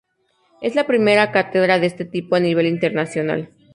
Es la primera cátedra de este tipo a nivel internacional.